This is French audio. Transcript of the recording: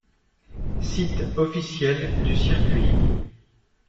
Site officiel du circuit.